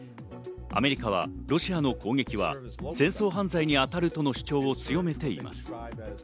アメリカはロシアの攻撃は戦争犯罪に当たるとの主張を強めています。